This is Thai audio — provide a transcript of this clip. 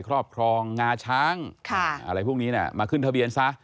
ครอบครองงาช้างอะไรพวกนี้มาขึ้นทะเบียนซะ